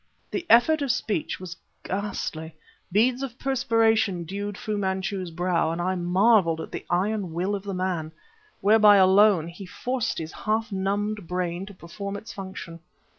The effort of speech was ghastly. Beads of perspiration dewed Fu Manchu's brow, and I marveled at the iron will of the man, whereby alone he forced his half numbed brain to perform its function.